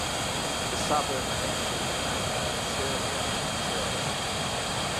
The suburb eventually became known as Shirley after the church.